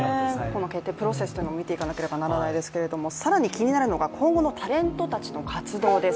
この決定、プロセスも見ていかなければならないですけれども更に気になるのが今後のタレントたちの活動です。